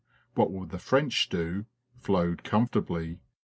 What will the French do?" flowed comfortably.